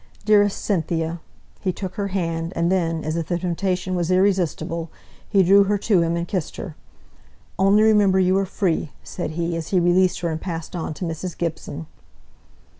Dearest Cynthia " he took her hand, and then, as if the temptation was irresistible, he drew her to him and kissed her. "Only remember you are free!" said he, as he released her and passed on to Mrs. Gibson.